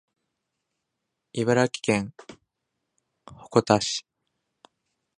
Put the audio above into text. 茨城県鉾田市